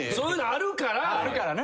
あるからね。